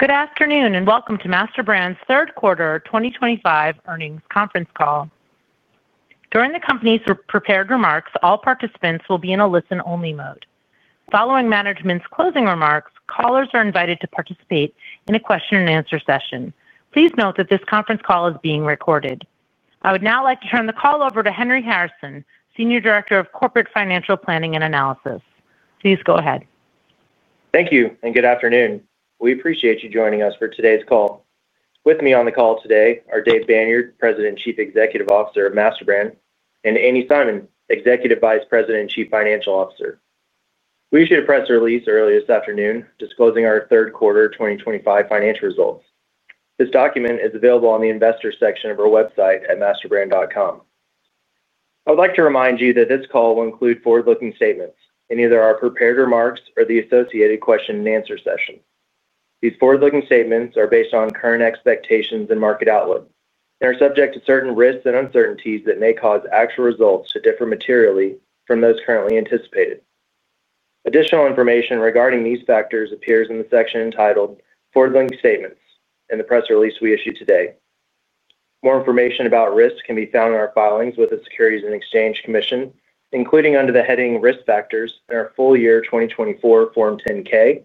Good afternoon and welcome to MasterBrand's third quarter 2025 earnings conference call. During the company's prepared remarks, all participants will be in a listen-only mode. Following management's closing remarks, callers are invited to participate in a question-and-answer session. Please note that this conference call is being recorded. I would now like to turn the call over to Henry Harrison, Senior Director of Corporate Financial Planning and Analysis. Please go ahead. Thank you and good afternoon. We appreciate you joining us for today's call. With me on the call today are Dave Banyard, President and Chief Executive Officer of MasterBrand, and Andi Simon, Executive Vice President and Chief Financial Officer. We issued a press release earlier this afternoon disclosing our third quarter 2025 financial results. This document is available on the investor section of our website at masterbrand.com. I would like to remind you that this call will include forward-looking statements in either our prepared remarks or the associated question-and-answer session. These forward-looking statements are based on current expectations and market outlook and are subject to certain risks and uncertainties that may cause actual results to differ materially from those currently anticipated. Additional information regarding these factors appears in the section entitled Forward-looking Statements in the press release we issued today. More information about risks can be found in our filings with the Securities and Exchange Commission, including under the heading Risk Factors in our full year 2024 Form 10-K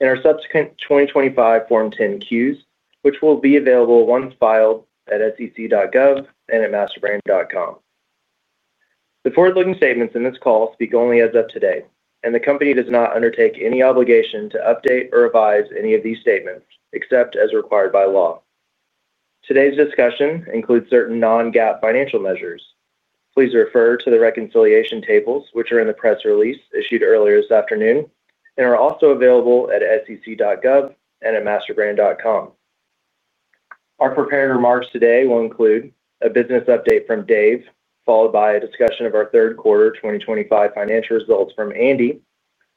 and our subsequent 2025 Form 10-Qs, which will be available once filed at sec.gov and at masterbrand.com. The forward-looking statements in this call speak only as of today, and the company does not undertake any obligation to update or revise any of these statements except as required by law. Today's discussion includes certain non-GAAP financial measures. Please refer to the reconciliation tables, which are in the press release issued earlier this afternoon and are also available at sec.gov and at masterbrand.com. Our prepared remarks today will include a business update from Dave, followed by a discussion of our third quarter 2025 financial results from Andi,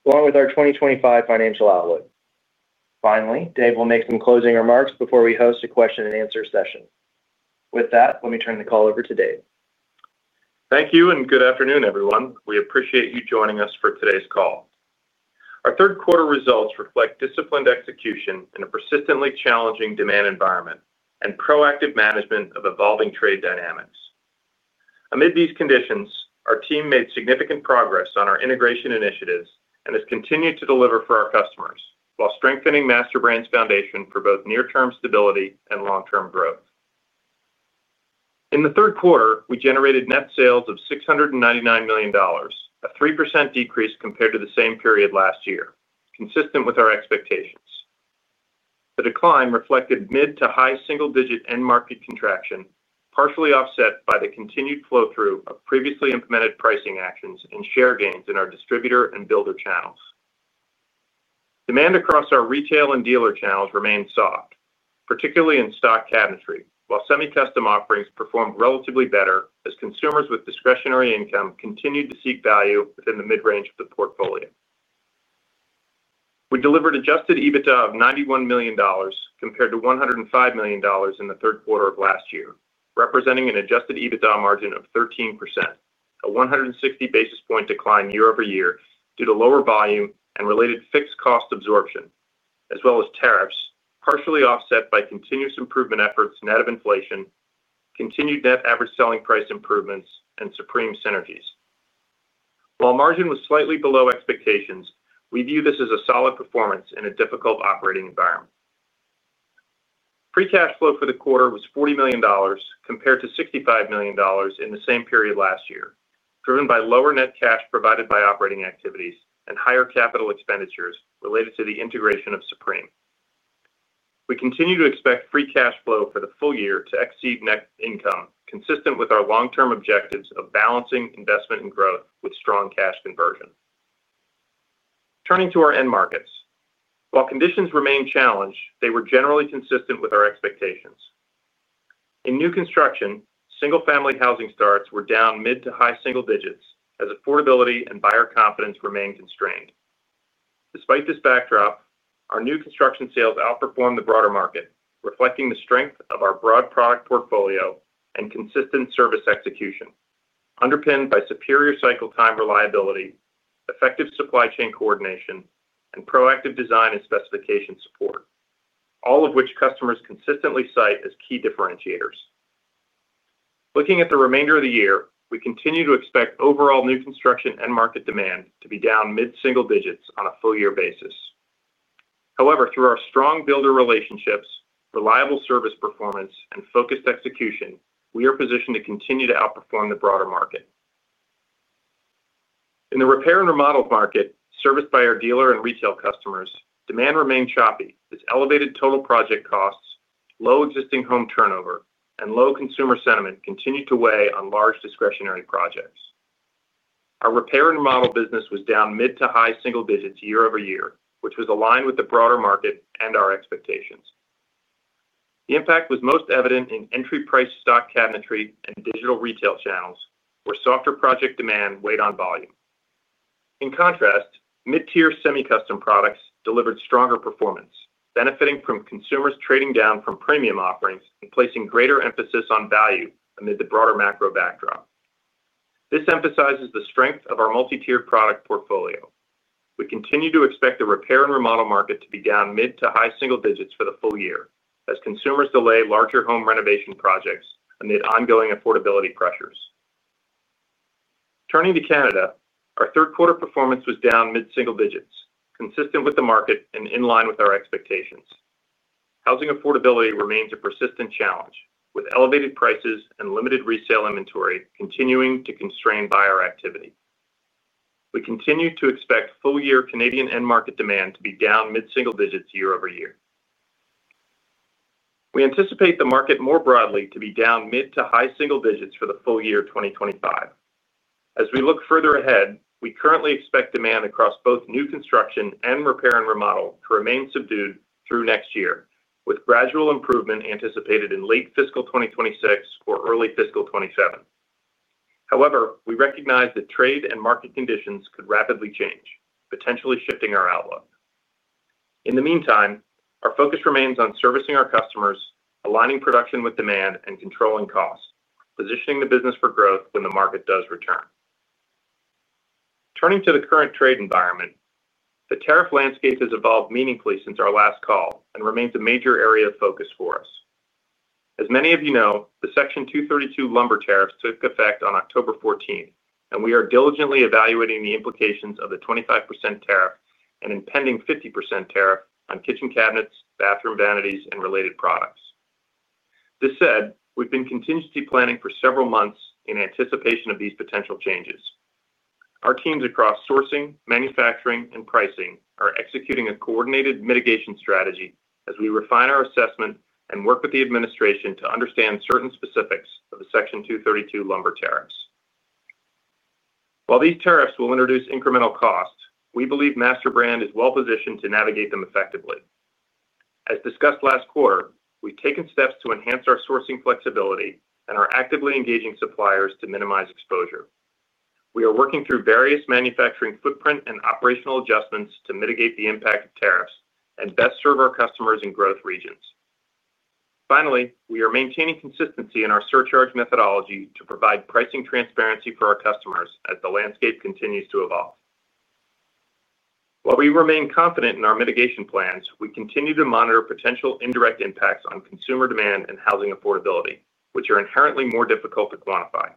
along with our 2025 financial outlook. Finally, Dave will make some closing remarks before we host a question-and-answer session. With that, let me turn the call over to Dave. Thank you and good afternoon, everyone. We appreciate you joining us for today's call. Our third quarter results reflect disciplined execution in a persistently challenging demand environment and proactive management of evolving trade dynamics. Amid these conditions, our team made significant progress on our integration initiatives and has continued to deliver for our customers while strengthening MasterBrand's foundation for both near-term stability and long-term growth. In the third quarter, we generated net sales of $699 million, a 3% decrease compared to the same period last year, consistent with our expectations. The decline reflected mid to high single-digit end-market contraction, partially offset by the continued flow-through of previously implemented pricing actions and share gains in our distributor and builder channels. Demand across our retail and dealer channels remained soft, particularly in stock cabinetry, while semi-custom offerings performed relatively better as consumers with discretionary income continued to seek value within the mid-range of the portfolio. We delivered adjusted EBITDA of $91 million compared to $105 million in the third quarter of last year, representing an adjusted EBITDA margin of 13%, a 160 basis point decline year over year due to lower volume and related fixed cost absorption, as well as tariffs, partially offset by continuous improvement efforts net of inflation, continued net average selling price improvements, and Supreme synergies. While margin was slightly below expectations, we view this as a solid performance in a difficult operating environment. Free cash flow for the quarter was $40 million compared to $65 million in the same period last year, driven by lower net cash provided by operating activities and higher capital expenditures related to the integration of Supreme. We continue to expect free cash flow for the full year to exceed net income, consistent with our long-term objectives of balancing investment and growth with strong cash conversion. Turning to our end markets, while conditions remain challenged, they were generally consistent with our expectations. In new construction, single-family housing starts were down mid to high single digits as affordability and buyer confidence remained constrained. Despite this backdrop, our new construction sales outperformed the broader market, reflecting the strength of our broad product portfolio and consistent service execution, underpinned by superior cycle-time reliability, effective supply chain coordination, and proactive design and specification support. All of which customers consistently cite as key differentiators. Looking at the remainder of the year, we continue to expect overall new construction end-market demand to be down mid-single digits on a full-year basis. However, through our strong builder relationships, reliable service performance, and focused execution, we are positioned to continue to outperform the broader market. In the repair and remodel market, serviced by our dealer and retail customers, demand remained choppy as elevated total project costs, low existing home turnover, and low consumer sentiment continued to weigh on large discretionary projects. Our repair and remodel business was down mid to high single digits year over year, which was aligned with the broader market and our expectations. The impact was most evident in entry-price stock cabinetry and digital retail channels, where softer project demand weighed on volume. In contrast, mid-tier semi-custom products delivered stronger performance, benefiting from consumers trading down from premium offerings and placing greater emphasis on value amid the broader macro backdrop. This emphasizes the strength of our multi-tiered product portfolio. We continue to expect the repair and remodel market to be down mid to high single digits for the full year as consumers delay larger home renovation projects amid ongoing affordability pressures. Turning to Canada, our third quarter performance was down mid-single digits, consistent with the market and in line with our expectations. Housing affordability remains a persistent challenge, with elevated prices and limited resale inventory continuing to constrain buyer activity. We continue to expect full-year Canadian end-market demand to be down mid-single digits year over year. We anticipate the market more broadly to be down mid to high single digits for the full year 2025. As we look further ahead, we currently expect demand across both new construction and repair and remodel to remain subdued through next year, with gradual improvement anticipated in late fiscal 2026 or early fiscal 2027. However, we recognize that trade and market conditions could rapidly change, potentially shifting our outlook. In the meantime, our focus remains on servicing our customers, aligning production with demand, and controlling costs, positioning the business for growth when the market does return. Turning to the current trade environment, the tariff landscape has evolved meaningfully since our last call and remains a major area of focus for us. As many of you know, the Section 232 lumber tariffs took effect on October 14, and we are diligently evaluating the implications of the 25% tariff and impending 50% tariff on kitchen cabinets, bathroom vanities, and related products. That said, we've been contingency planning for several months in anticipation of these potential changes. Our teams across sourcing, manufacturing, and pricing are executing a coordinated mitigation strategy as we refine our assessment and work with the administration to understand certain specifics of the Section 232 lumber tariffs. While these tariffs will introduce incremental costs, we believe MasterBrand is well-positioned to navigate them effectively. As discussed last quarter, we've taken steps to enhance our sourcing flexibility and are actively engaging suppliers to minimize exposure. We are working through various manufacturing footprint and operational adjustments to mitigate the impact of tariffs and best serve our customers in growth regions. Finally, we are maintaining consistency in our surcharge methodology to provide pricing transparency for our customers as the landscape continues to evolve. While we remain confident in our mitigation plans, we continue to monitor potential indirect impacts on consumer demand and housing affordability, which are inherently more difficult to quantify.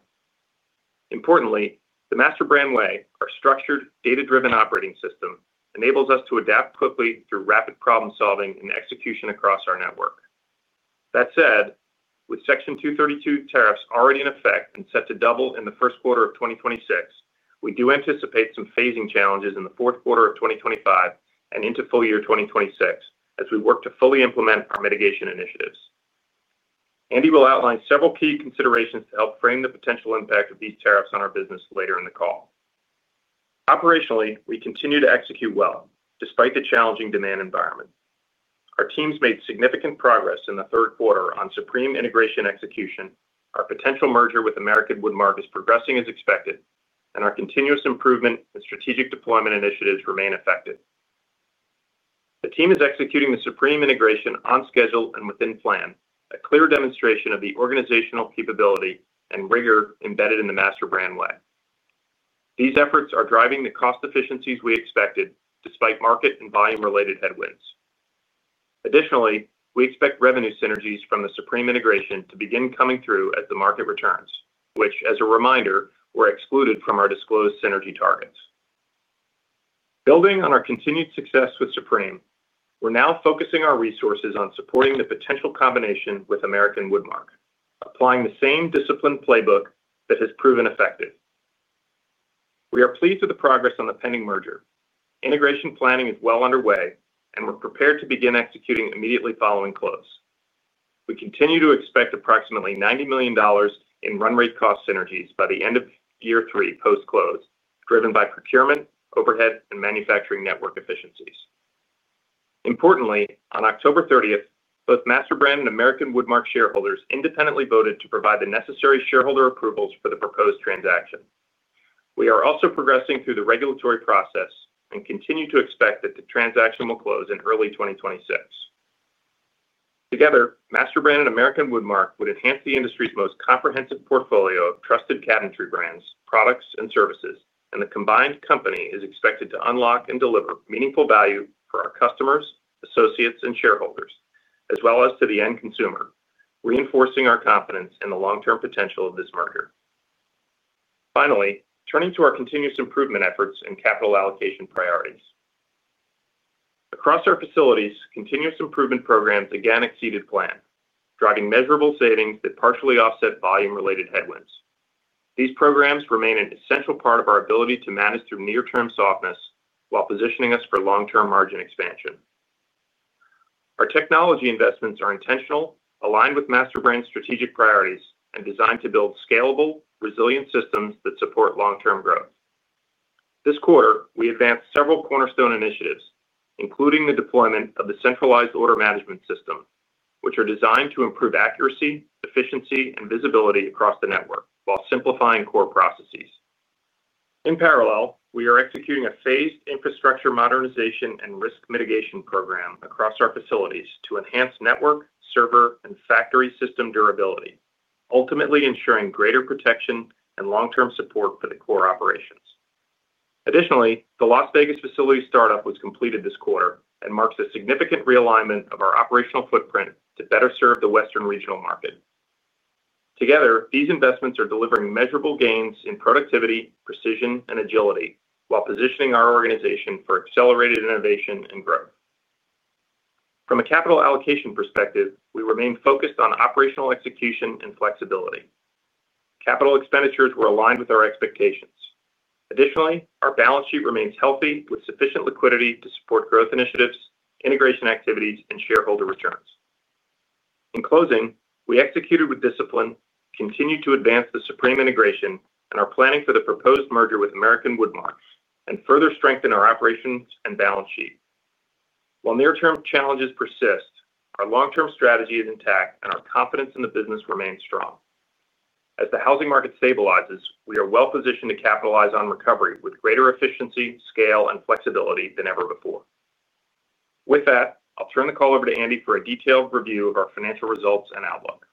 Importantly, the MasterBrand Way, our structured, data-driven operating system, enables us to adapt quickly through rapid problem-solving and execution across our network. That said, with Section 232 tariffs already in effect and set to double in the first quarter of 2026, we do anticipate some phasing challenges in the fourth quarter of 2025 and into full year 2026 as we work to fully implement our mitigation initiatives. Andi will outline several key considerations to help frame the potential impact of these tariffs on our business later in the call. Operationally, we continue to execute well despite the challenging demand environment. Our teams made significant progress in the third quarter on Supreme integration execution, our potential merger with American Woodmark is progressing as expected, and our continuous improvement and strategic deployment initiatives remain effective. The team is executing the Supreme integration on schedule and within plan, a clear demonstration of the organizational capability and rigor embedded in the MasterBrand Way. These efforts are driving the cost efficiencies we expected despite market and volume-related headwinds. Additionally, we expect revenue synergies from the Supreme integration to begin coming through as the market returns, which, as a reminder, were excluded from our disclosed synergy targets. Building on our continued success with Supreme, we're now focusing our resources on supporting the potential combination with American Woodmark, applying the same disciplined playbook that has proven effective. We are pleased with the progress on the pending merger. Integration planning is well underway, and we're prepared to begin executing immediately following close. We continue to expect approximately $90 million in run-rate cost synergies by the end of year three post-close, driven by procurement, overhead, and manufacturing network efficiencies. Importantly, on October 30, both MasterBrand and American Woodmark shareholders independently voted to provide the necessary shareholder approvals for the proposed transaction. We are also progressing through the regulatory process and continue to expect that the transaction will close in early 2026. Together, MasterBrand and American Woodmark would enhance the industry's most comprehensive portfolio of trusted cabinetry brands, products, and services, and the combined company is expected to unlock and deliver meaningful value for our customers, associates, and shareholders, as well as to the end consumer, reinforcing our confidence in the long-term potential of this merger. Finally, turning to our continuous improvement efforts and capital allocation priorities. Across our facilities, continuous improvement programs again exceeded plan, driving measurable savings that partially offset volume-related headwinds. These programs remain an essential part of our ability to manage through near-term softness while positioning us for long-term margin expansion. Our technology investments are intentional, aligned with MasterBrand's strategic priorities, and designed to build scalable, resilient systems that support long-term growth. This quarter, we advanced several cornerstone initiatives, including the deployment of the centralized order management system, which are designed to improve accuracy, efficiency, and visibility across the network while simplifying core processes. In parallel, we are executing a phased infrastructure modernization and risk mitigation program across our facilities to enhance network, server, and factory system durability, ultimately ensuring greater protection and long-term support for the core operations. Additionally, the Las Vegas facility startup was completed this quarter and marks a significant realignment of our operational footprint to better serve the Western regional market. Together, these investments are delivering measurable gains in productivity, precision, and agility while positioning our organization for accelerated innovation and growth. From a capital allocation perspective, we remain focused on operational execution and flexibility. Capital expenditures were aligned with our expectations. Additionally, our balance sheet remains healthy with sufficient liquidity to support growth initiatives, integration activities, and shareholder returns. In closing, we executed with discipline, continued to advance the Supreme integration, and are planning for the proposed merger with American Woodmark and further strengthen our operations and balance sheet. While near-term challenges persist, our long-term strategy is intact, and our confidence in the business remains strong. As the housing market stabilizes, we are well-positioned to capitalize on recovery with greater efficiency, scale, and flexibility than ever before. With that, I'll turn the call over to Andi for a detailed review of our financial results and outlook.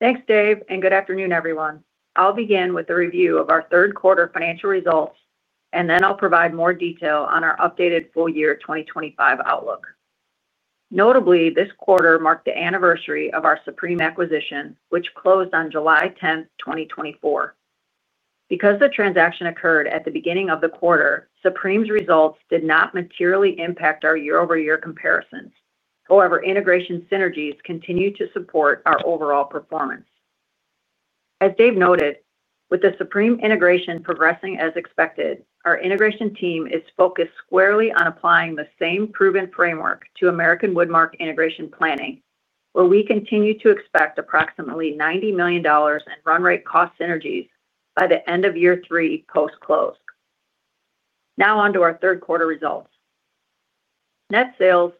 Thanks, Dave, and good afternoon, everyone. I'll begin with the review of our third quarter financial results, and then I'll provide more detail on our updated full year 2025 outlook. Notably, this quarter marked the anniversary of our Supreme acquisition, which closed on July 10, 2024. Because the transaction occurred at the beginning of the quarter, Supreme's results did not materially impact our year-over-year comparisons. However, integration synergies continue to support our overall performance. As Dave noted, with the Supreme integration progressing as expected, our integration team is focused squarely on applying the same proven framework to American Woodmark integration planning, where we continue to expect approximately $90 million in run-rate cost synergies by the end of year three post-close. Now on to our third quarter results. Net sales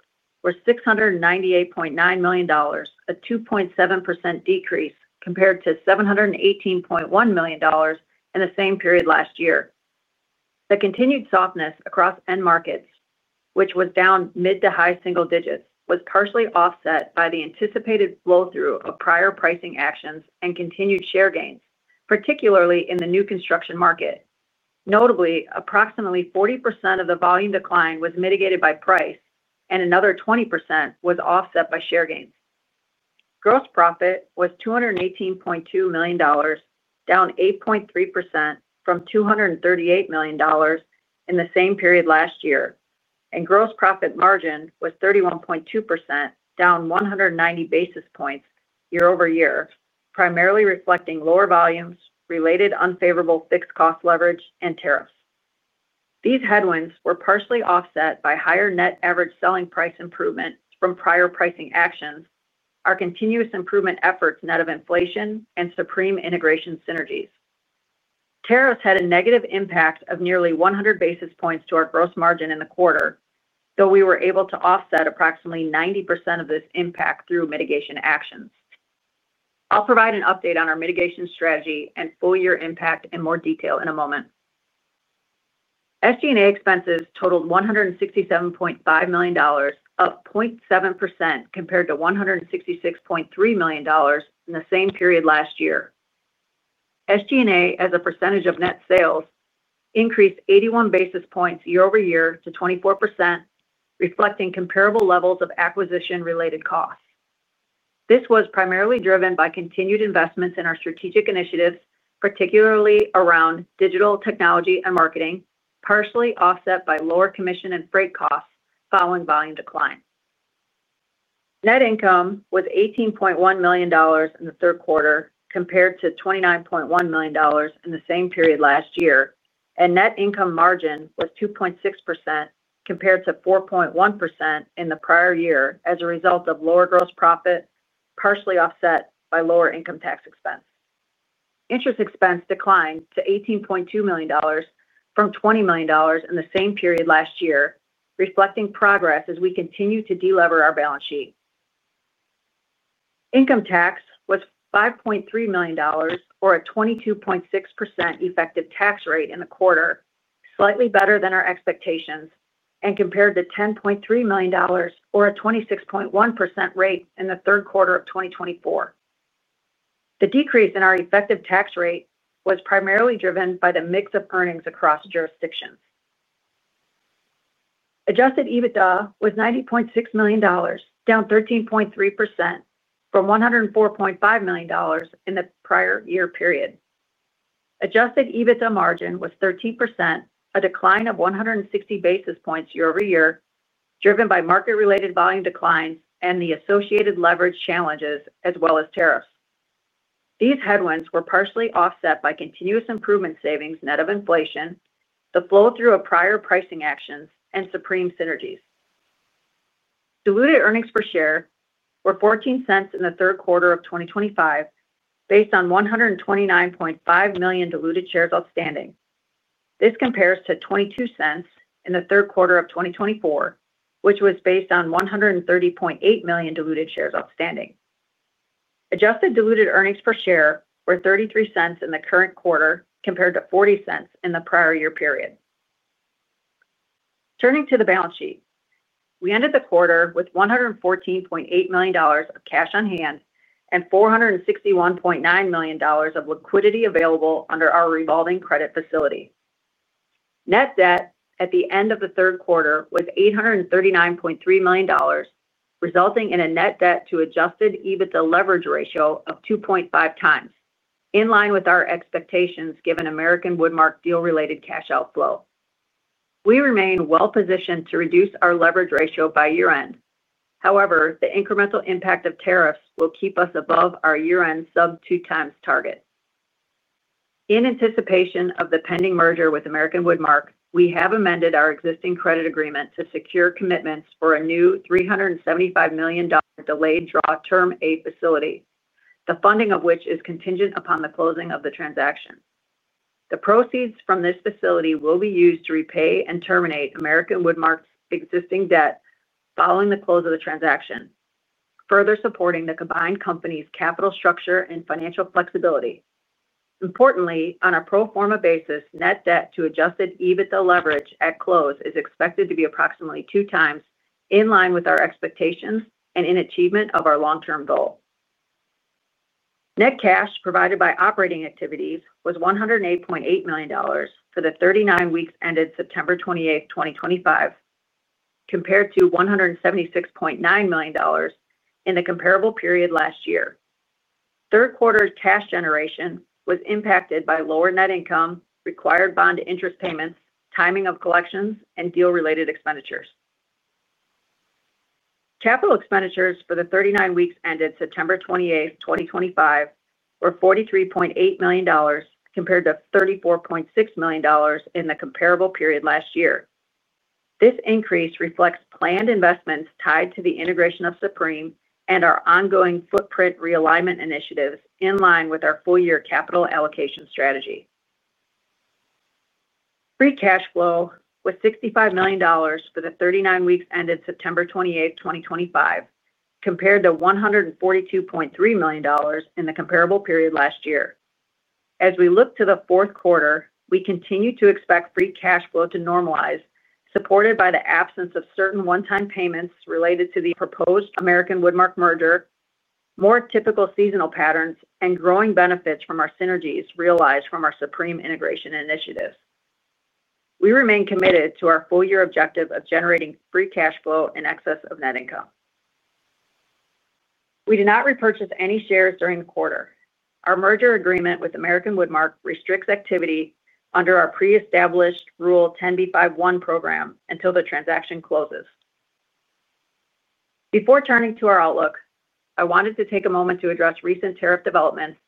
were $698.9 million, a 2.7% decrease compared to $718.1 million in the same period last year. The continued softness across end markets, which was down mid to high single digits, was partially offset by the anticipated flow-through of prior pricing actions and continued share gains, particularly in the new construction market. Notably, approximately 40% of the volume decline was mitigated by price, and another 20% was offset by share gains. Gross profit was $218.2 million, down 8.3% from $238 million in the same period last year, and gross profit margin was 31.2%, down 190 basis points year-over-year, primarily reflecting lower volumes, related unfavorable fixed cost leverage, and tariffs. These headwinds were partially offset by higher net average selling price improvement from prior pricing actions, our continuous improvement efforts net of inflation, and Supreme integration synergies. Tariffs had a negative impact of nearly 100 basis points to our gross margin in the quarter, though we were able to offset approximately 90% of this impact through mitigation actions. I'll provide an update on our mitigation strategy and full-year impact in more detail in a moment. SG&A expenses totaled $167.5 million, up 0.7% compared to $166.3 million in the same period last year. SG&A, as a percentage of net sales, increased 81 basis points year-over-year to 24%, reflecting comparable levels of acquisition-related costs. This was primarily driven by continued investments in our strategic initiatives, particularly around digital technology and marketing, partially offset by lower commission and freight costs following volume decline. Net income was $18.1 million in the third quarter compared to $29.1 million in the same period last year, and net income margin was 2.6% compared to 4.1% in the prior year as a result of lower gross profit, partially offset by lower income tax expense. Interest expense declined to $18.2 million from $20 million in the same period last year, reflecting progress as we continue to delever our balance sheet. Income tax was $5.3 million, or a 22.6% effective tax rate in the quarter, slightly better than our expectations, and compared to $10.3 million, or a 26.1% rate in the third quarter of 2024. The decrease in our effective tax rate was primarily driven by the mix of earnings across jurisdictions. Adjusted EBITDA was $90.6 million, down 13.3% from $104.5 million in the prior year period. Adjusted EBITDA margin was 13%, a decline of 160 basis points year-over-year, driven by market-related volume declines and the associated leverage challenges, as well as tariffs. These headwinds were partially offset by continuous improvement savings net of inflation, the flow-through of prior pricing actions, and Supreme synergies. Diluted earnings per share were $0.14 in the third quarter of 2025, based on 129.5 million diluted shares outstanding. This compares to $0.22 in the third quarter of 2024, which was based on 130.8 million diluted shares outstanding. Adjusted diluted earnings per share were $0.33 in the current quarter compared to $0.40 in the prior year period. Turning to the balance sheet, we ended the quarter with $114.8 million of cash on hand and $461.9 million of liquidity available under our revolving credit facility. Net debt at the end of the third quarter was $839.3 million, resulting in a net debt-to-adjusted EBITDA leverage ratio of 2.5 times, in line with our expectations given American Woodmark deal-related cash outflow. We remain well-positioned to reduce our leverage ratio by year-end. However, the incremental impact of tariffs will keep us above our year-end sub-two-times target. In anticipation of the pending merger with American Woodmark, we have amended our existing credit agreement to secure commitments for a new $375 million delayed draw term A facility, the funding of which is contingent upon the closing of the transaction. The proceeds from this facility will be used to repay and terminate American Woodmark's existing debt following the close of the transaction, further supporting the combined company's capital structure and financial flexibility. Importantly, on a pro forma basis, net debt-to-adjusted EBITDA leverage at close is expected to be approximately two times in line with our expectations and in achievement of our long-term goal. Net cash provided by operating activities was $108.8 million for the 39 weeks ended September 28, 2025. Compared to $176.9 million in the comparable period last year, third quarter cash generation was impacted by lower net income, required bond interest payments, timing of collections, and deal-related expenditures. Capital expenditures for the 39 weeks ended September 28, 2025, were $43.8 million compared to $34.6 million in the comparable period last year. This increase reflects planned investments tied to the integration of Supreme and our ongoing footprint realignment initiatives in line with our full-year capital allocation strategy. Free cash flow was $65 million for the 39 weeks ended September 28, 2025, compared to $142.3 million in the comparable period last year. As we look to the fourth quarter, we continue to expect free cash flow to normalize, supported by the absence of certain one-time payments related to the proposed American Woodmark merger, more typical seasonal patterns, and growing benefits from our synergies realized from our Supreme integration initiatives. We remain committed to our full-year objective of generating free cash flow in excess of net income. We do not repurchase any shares during the quarter. Our merger agreement with American Woodmark restricts activity under our pre-established Rule 10b5-1 program until the transaction closes. Before turning to our outlook, I wanted to take a moment to address recent tariff developments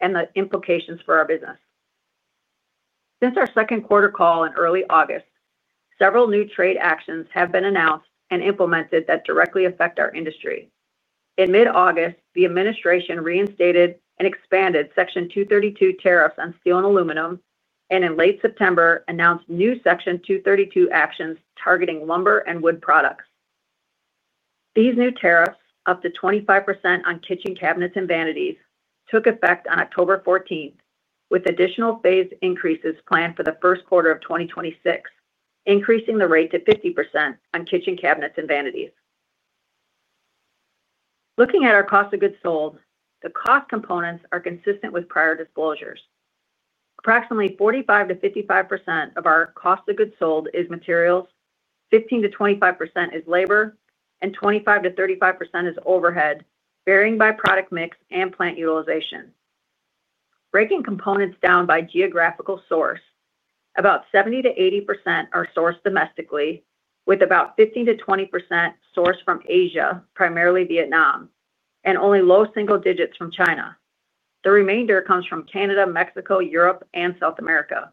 and the implications for our business. Since our second quarter call in early August, several new trade actions have been announced and implemented that directly affect our industry. In mid-August, the administration reinstated and expanded Section 232 tariffs on steel and aluminum, and in late September, announced new Section 232 actions targeting lumber and wood products. These new tariffs, up to 25% on kitchen cabinets and vanities, took effect on October 14, with additional phase increases planned for the first quarter of 2026, increasing the rate to 50% on kitchen cabinets and vanities. Looking at our cost of goods sold, the cost components are consistent with prior disclosures. Approximately 45%-55% of our cost of goods sold is materials, 15%-25% is labor, and 25%-35% is overhead, varying by product mix and plant utilization. Breaking components down by geographical source, about 70%-80% are sourced domestically, with about 15%-20% sourced from Asia, primarily Vietnam, and only low single digits from China. The remainder comes from Canada, Mexico, Europe, and South America.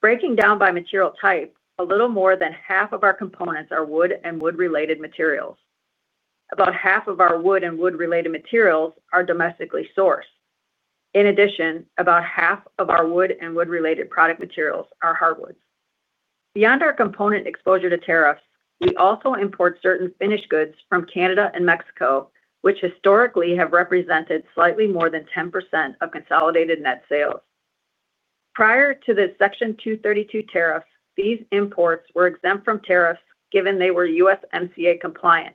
Breaking down by material type, a little more than half of our components are wood and wood-related materials. About half of our wood and wood-related materials are domestically sourced. In addition, about half of our wood and wood-related product materials are hardwoods. Beyond our component exposure to tariffs, we also import certain finished goods from Canada and Mexico, which historically have represented slightly more than 10% of consolidated net sales. Prior to the Section 232 tariffs, these imports were exempt from tariffs given they were USMCA compliant.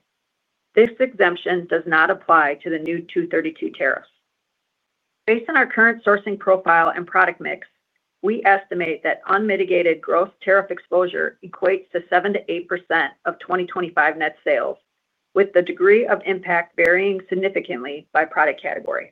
This exemption does not apply to the new 232 tariffs. Based on our current sourcing profile and product mix, we estimate that unmitigated gross tariff exposure equates to 7%-8% of 2025 net sales, with the degree of impact varying significantly by product category.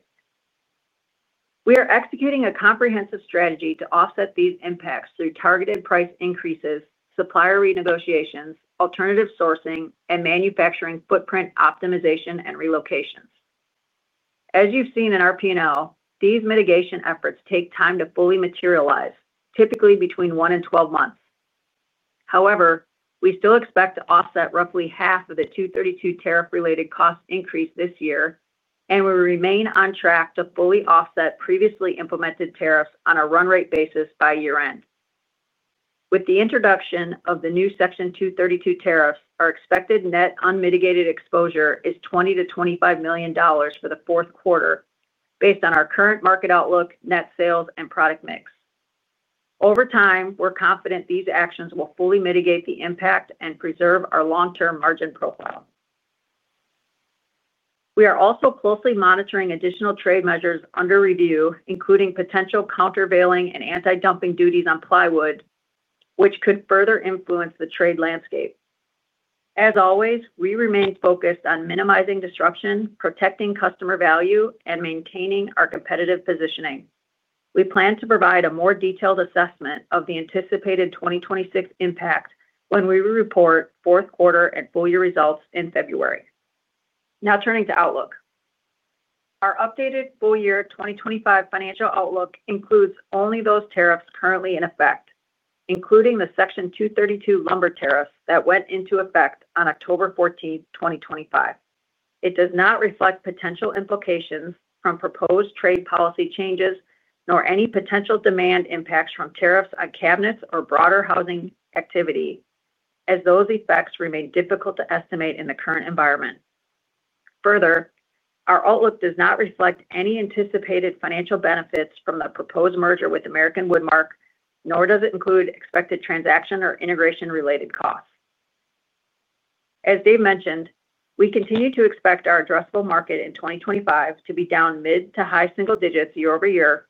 We are executing a comprehensive strategy to offset these impacts through targeted price increases, supplier renegotiations, alternative sourcing, and manufacturing footprint optimization and relocations. As you've seen in our P&L, these mitigation efforts take time to fully materialize, typically between one and 12 months. However, we still expect to offset roughly half of the 232 tariff-related cost increase this year, and we remain on track to fully offset previously implemented tariffs on a run-rate basis by year-end. With the introduction of the new Section 232 tariffs, our expected net unmitigated exposure is $20 million-$25 million for the fourth quarter, based on our current market outlook, net sales, and product mix. Over time, we're confident these actions will fully mitigate the impact and preserve our long-term margin profile. We are also closely monitoring additional trade measures under review, including potential countervailing and anti-dumping duties on plywood, which could further influence the trade landscape. As always, we remain focused on minimizing disruption, protecting customer value, and maintaining our competitive positioning. We plan to provide a more detailed assessment of the anticipated 2026 impact when we report fourth quarter and full-year results in February. Now turning to outlook. Our updated full-year 2025 financial outlook includes only those tariffs currently in effect, including the Section 232 lumber tariffs that went into effect on October 14, 2025. It does not reflect potential implications from proposed trade policy changes, nor any potential demand impacts from tariffs on cabinets or broader housing activity, as those effects remain difficult to estimate in the current environment. Further, our outlook does not reflect any anticipated financial benefits from the proposed merger with American Woodmark, nor does it include expected transaction or integration-related costs. As Dave mentioned, we continue to expect our addressable market in 2025 to be down mid to high single digits year-over-year,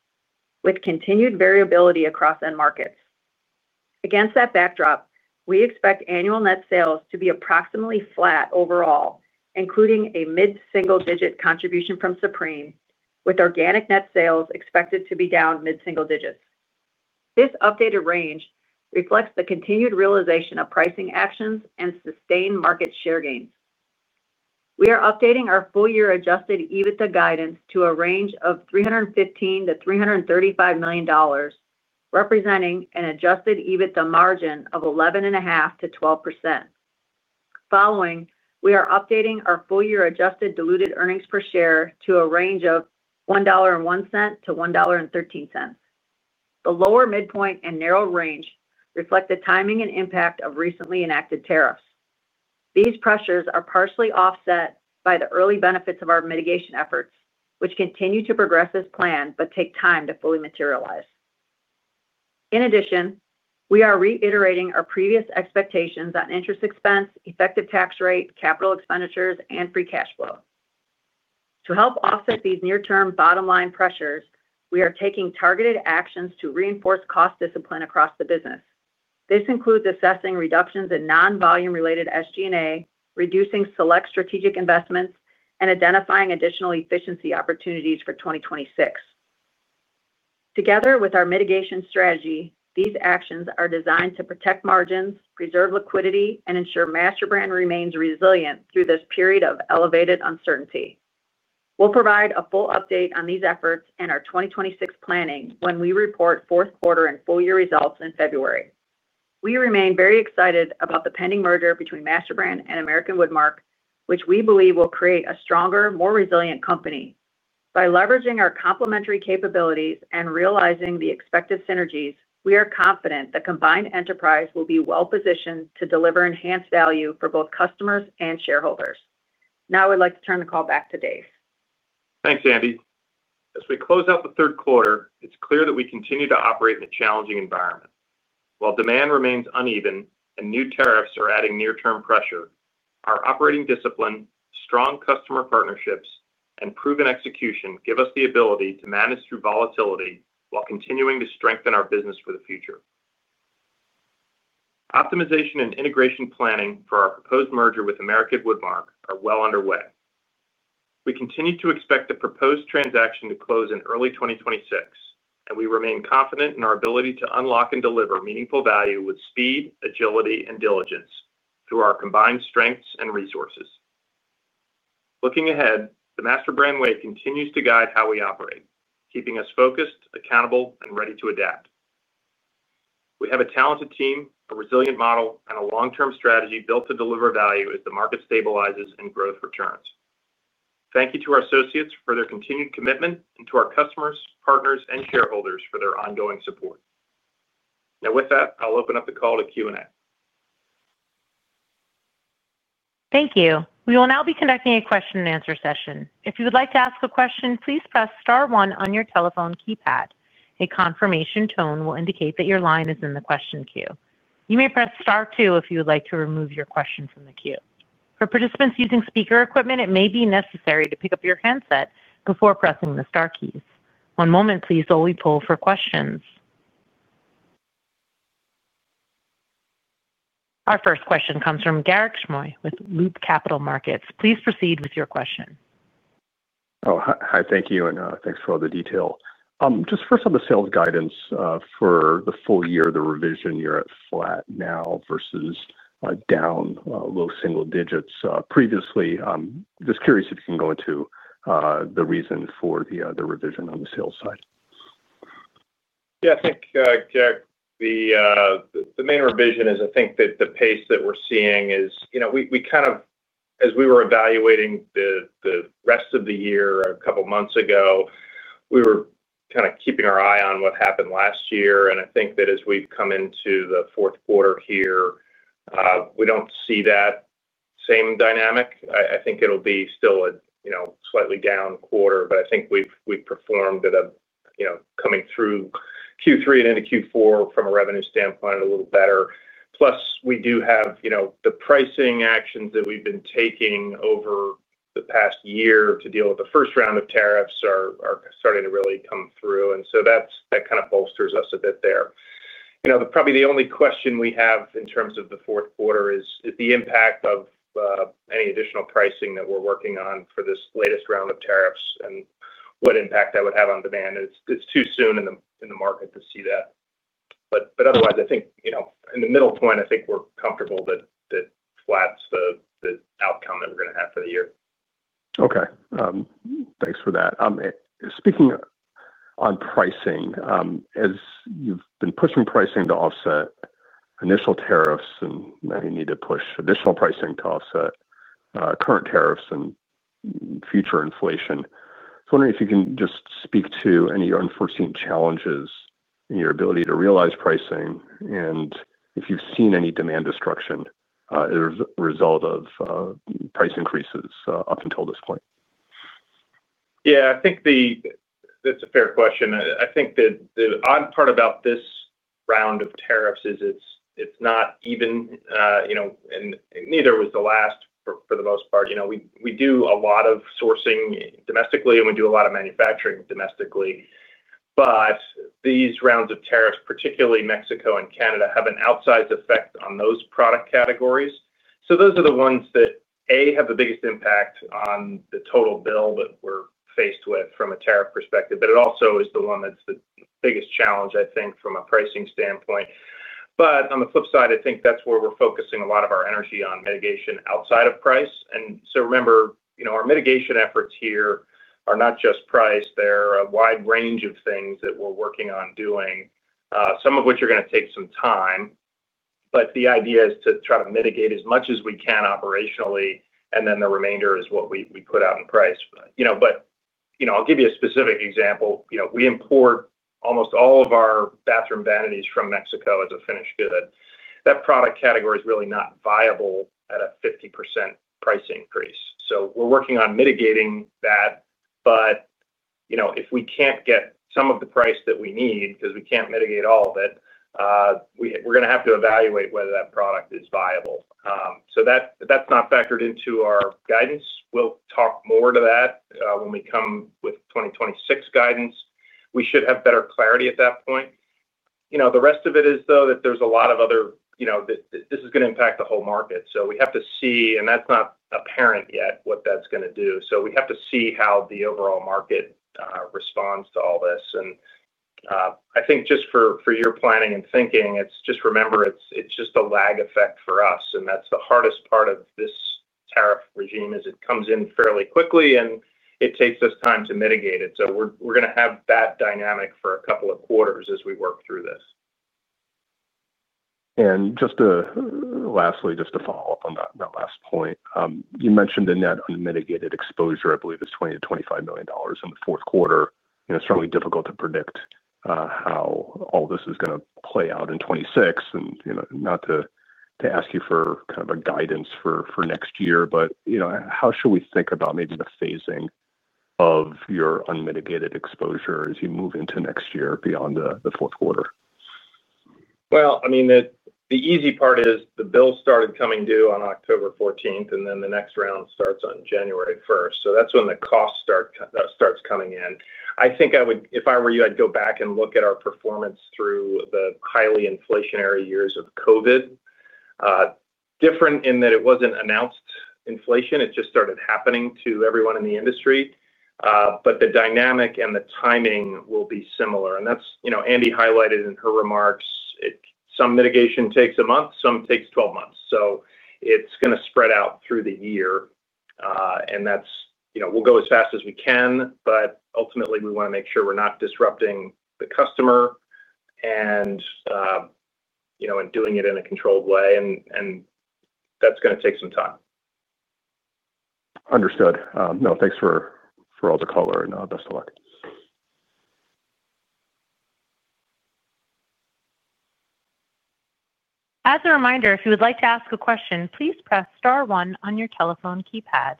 with continued variability across end markets. Against that backdrop, we expect annual net sales to be approximately flat overall, including a mid-single-digit contribution from Supreme, with organic net sales expected to be down mid-single digits. This updated range reflects the continued realization of pricing actions and sustained market share gains. We are updating our full-year Adjusted EBITDA guidance to a range of $315 million-$335 million. Representing an Adjusted EBITDA margin of 11.5%-12%. Following, we are updating our full-year adjusted diluted earnings per share to a range of $1.01-$1.13. The lower midpoint and narrow range reflect the timing and impact of recently enacted tariffs. These pressures are partially offset by the early benefits of our mitigation efforts, which continue to progress as planned but take time to fully materialize. In addition, we are reiterating our previous expectations on interest expense, effective tax rate, capital expenditures, and free cash flow. To help offset these near-term bottom-line pressures, we are taking targeted actions to reinforce cost discipline across the business. This includes assessing reductions in non-volume-related SG&A, reducing select strategic investments, and identifying additional efficiency opportunities for 2026. Together with our mitigation strategy, these actions are designed to protect margins, preserve liquidity, and ensure MasterBrand remains resilient through this period of elevated uncertainty. We'll provide a full update on these efforts and our 2026 planning when we report fourth quarter and full-year results in February. We remain very excited about the pending merger between MasterBrand and American Woodmark, which we believe will create a stronger, more resilient company. By leveraging our complementary capabilities and realizing the expected synergies, we are confident the combined enterprise will be well-positioned to deliver enhanced value for both customers and shareholders. Now I would like to turn the call back to Dave. Thanks, Andi. As we close out the third quarter, it's clear that we continue to operate in a challenging environment. While demand remains uneven and new tariffs are adding near-term pressure, our operating discipline, strong customer partnerships, and proven execution give us the ability to manage through volatility while continuing to strengthen our business for the future. Optimization and integration planning for our proposed merger with American Woodmark are well underway. We continue to expect the proposed transaction to close in early 2026, and we remain confident in our ability to unlock and deliver meaningful value with speed, agility, and diligence through our combined strengths and resources. Looking ahead, the MasterBrand Way continues to guide how we operate, keeping us focused, accountable, and ready to adapt. We have a talented team, a resilient model, and a long-term strategy built to deliver value as the market stabilizes and growth returns. Thank you to our associates for their continued commitment and to our customers, partners, and shareholders for their ongoing support. Now, with that, I'll open up the call to Q&A. Thank you. We will now be conducting a question-and-answer session. If you would like to ask a question, please press Star one on your telephone keypad. A confirmation tone will indicate that your line is in the question queue. You may press Star 2 if you would like to remove your question from the queue. For participants using speaker equipment, it may be necessary to pick up your handset before pressing the Star keys. One moment, please, while we pull for questions. Our first question comes from Garik Shmois with Loop Capital Markets. Please proceed with your question. Oh, hi. Thank you. And thanks for all the detail. Just first on the sales guidance for the full year, the revision you're at flat now versus down, low single digits previously. Just curious if you can go into the reason for the revision on the sales side. Yeah, I think, Garik, the. Main revision is, I think that the pace that we're seeing is we kind of, as we were evaluating the rest of the year a couple of months ago, we were kind of keeping our eye on what happened last year. And I think that as we've come into the fourth quarter here, we don't see that same dynamic. I think it'll be still a slightly down quarter, but I think we've performed ahead coming through Q3 and into Q4 from a revenue standpoint a little better. Plus, we do have the pricing actions that we've been taking over the past year to deal with the first round of tariffs, are starting to really come through. And so that kind of bolsters us a bit there. Probably the only question we have in terms of the fourth quarter is the impact of any additional pricing that we're working on for this latest round of tariffs and what impact that would have on demand. It's too soon in the market to see that. But otherwise, I think at the midpoint, I think we're comfortable that flat's the outcome that we're going to have for the year. Okay. Thanks for that. Speaking on pricing. As you've been pushing pricing to offset initial tariffs and now you need to push additional pricing to offset current tariffs and future inflation, I was wondering if you can just speak to any unforeseen challenges in your ability to realize pricing and if you've seen any demand destruction as a result of price increases up until this point. Yeah, I think that's a fair question. I think the odd part about this round of tariffs is it's not even. And neither was the last for the most part. We do a lot of sourcing domestically, and we do a lot of manufacturing domestically. But these rounds of tariffs, particularly Mexico and Canada, have an outsized effect on those product categories. So those are the ones that, A, have the biggest impact on the total bill that we're faced with from a tariff perspective, but it also is the one that's the biggest challenge, I think, from a pricing standpoint. But on the flip side, I think that's where we're focusing a lot of our energy on mitigation outside of price. And so remember, our mitigation efforts here are not just price. There are a wide range of things that we're working on doing, some of which are going to take some time. But the idea is to try to mitigate as much as we can operationally, and then the remainder is what we put out in price. But I'll give you a specific example. We import almost all of our bathroom vanities from Mexico as a finished good. That product category is really not viable at a 50% price increase. So we're working on mitigating that. But if we can't get some of the price that we need because we can't mitigate all of it. We're going to have to evaluate whether that product is viable. So that's not factored into our guidance. We'll talk more to that when we come with 2026 guidance. We should have better clarity at that point. The rest of it is, though, that there's a lot of other. This is going to impact the whole market. So we have to see, and that's not apparent yet what that's going to do. So we have to see how the overall market responds to all this. And I think just for your planning and thinking, it's just remember, it's just a lag effect for us. And that's the hardest part of this tariff regime is it comes in fairly quickly, and it takes us time to mitigate it. So we're going to have that dynamic for a couple of quarters as we work through this. And just lastly, just to follow up on that last point, you mentioned a net unmitigated exposure, I believe it's $20 million-$25 million in the fourth quarter. It's certainly difficult to predict how all this is going to play out in 2026. And not to ask you for kind of a guidance for next year, but how should we think about maybe the phasing of your unmitigated exposure as you move into next year beyond the fourth quarter? Well, I mean, the easy part is the bill started coming due on October 14th, and then the next round starts on January 1st. So that's when the cost starts coming in. I think if I were you, I'd go back and look at our performance through the highly inflationary years of COVID. Different in that it wasn't announced inflation. It just started happening to everyone in the industry. But the dynamic and the timing will be similar. And as Andi highlighted in her remarks. Some mitigation takes a month, some takes 12 months. So it's going to spread out through the year. And we'll go as fast as we can, but ultimately, we want to make sure we're not disrupting the customer. And doing it in a controlled way. And that's going to take some time. Understood. No, thanks for all the color and best of luck. As a reminder, if you would like to ask a question, please press Star 1 on your telephone keypad.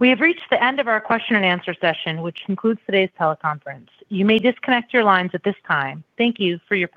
We have reached the end of our question-and-answer session, which concludes today's teleconference. You may disconnect your lines at this time. Thank you for your.